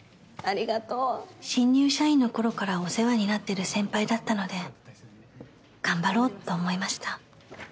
あ新入社員の頃からお世話になってる先輩だったので頑張ろうと思いました。